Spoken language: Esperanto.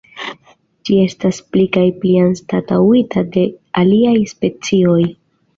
Ĝi estas pli kaj pli anstataŭita de aliaj specioj.